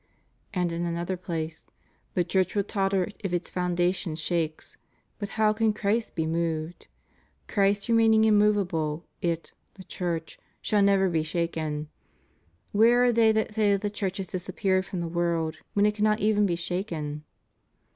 ^ And in another place: "The Church will totter if its foundation shakes; but how can Christ be moved? ... Christ re maining immovable, it (the Church) shall never be shaken. Where are they that say that the Church has disappeared from the world, when it cannot even be shaken?"'